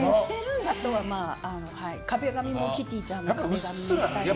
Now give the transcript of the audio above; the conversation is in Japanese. あとは、壁紙もキティちゃんの壁紙にしたり。